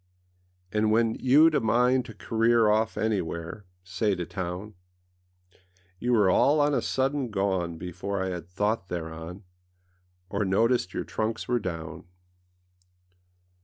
And when youâd a mind to career Off anywhereâsay to townâ You were all on a sudden gone Before I had thought thereon, Or noticed your trunks were down.